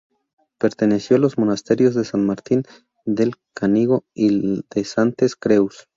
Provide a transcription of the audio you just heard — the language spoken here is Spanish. Perteneció a los monasterios de San Martín del Canigó y de Santes Creus.